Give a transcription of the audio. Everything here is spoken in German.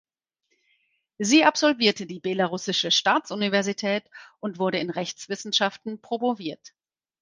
Sie absolvierte die Belarussische Staatsuniversität und wurde in Rechtswissenschaften promoviert.